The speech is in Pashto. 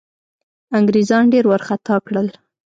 انګرېزان ډېر وارخطا کړل.